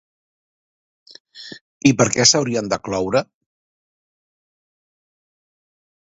I per què s'haurien de cloure?